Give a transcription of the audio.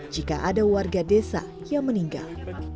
jika ada warga desa yang meninggal